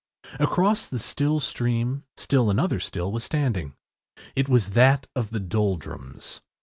Across the still stream, still another still was standing. It was that of the Doldrums.